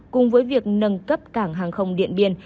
cùng với việc nâng cấp cảng hàng không điện biên